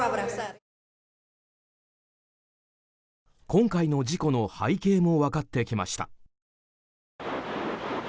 今回の事故の背景も分かってきました。